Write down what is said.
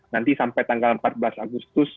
nanti sampai tanggal empat belas agustus